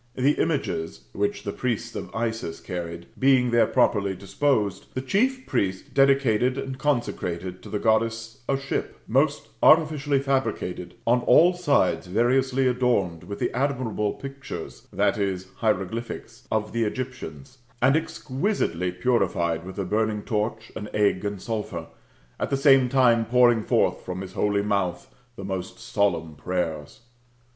The images [which the priests of Isis carried] being there properly disposed, the chief priest dedicated and consecrated to the Goddess a ship,^' most artificially fabricated, on all sides variously adorned with the admirable pictures [/>. hieroglyphics] of the Egyptians, and exquisitely purified with a burning torch, an egg, and sulphur, at the same time pouring forth from his holy mouth the most solemn prayers.